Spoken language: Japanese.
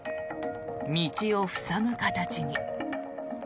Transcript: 道を塞ぐ形に。